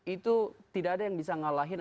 itu tidak ada yang bisa ngalahin